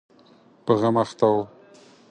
په غم اخته و.